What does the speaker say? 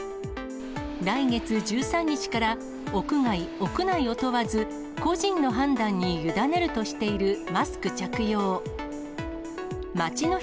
来月１３日から屋外、屋内を問わず、個人の判断に委ねるとしているマスク着用。